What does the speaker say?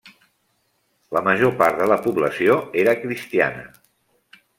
La major part de la població era cristiana.